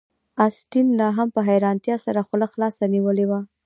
اسټین لاهم په حیرانتیا سره خوله خلاصه نیولې وه